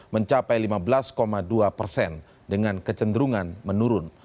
mencapai lima belas dua persen dengan kecenderungan menurun